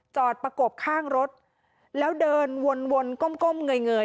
จอดประกบข้างรถแล้วเดินวนก้มเหงื่อย